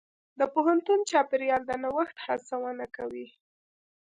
د پوهنتون چاپېریال د نوښت هڅونه کوي.